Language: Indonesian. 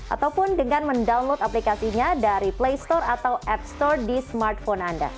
ataupun dengan mendownload aplikasinya dari play store atau app store di smartphone anda